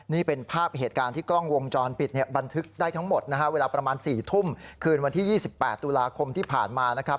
นี่เป็นภาพเหตุการณ์ที่กล้องวงจรปิดเนี่ยบันทึกได้ทั้งหมดนะฮะเวลาประมาณ๔ทุ่มคืนวันที่๒๘ตุลาคมที่ผ่านมานะครับ